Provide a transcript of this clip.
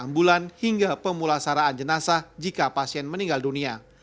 bulan hingga pemulasaraan jenasa jika pasien meninggal dunia